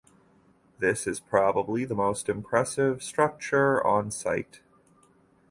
This is probably the most impressive structure on site.